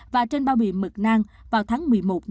và trên bao bì mực nang vào tháng một mươi một